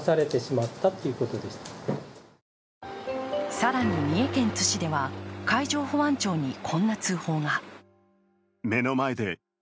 更に三重県津市では海上保安庁にこんな通報が。